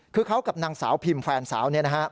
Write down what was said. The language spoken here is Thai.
คือเขากับนางสาวพิมแฟนสาวเนี่ยนะฮะ